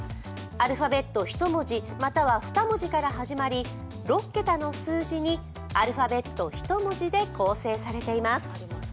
アルファベット１文字、または２文字から始まり、６桁の数字にアルファベット１文字で更正されています。